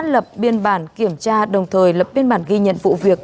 lập biên bản tạm giữ tăng vật lập biên viên và yêu cầu thuyền trưởng điều khuyển